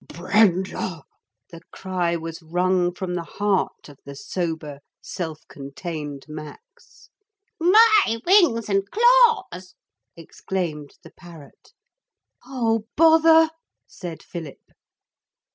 'Brenda!' the cry was wrung from the heart of the sober self contained Max. 'My wings and claws!' exclaimed the parrot. 'Oh, bother!' said Philip.